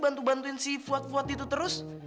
bantu bantuin si fuad fuad itu terus